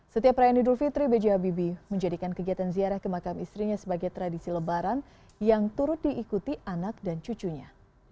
setiap rayaan hidup fitri bg habibi menjadikan kegiatan ziarah ke makam istrinya sebagai tradisi lebaran yang turut diikuti anak dan cucunya